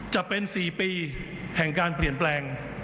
จะเป็น๔ปีแห่งการเปลี่ยนแปลง